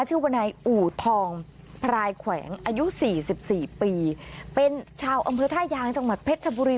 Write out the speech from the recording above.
วนายอู่ทองพรายแขวงอายุ๔๔ปีเป็นชาวอำเภอท่ายางจังหวัดเพชรชบุรี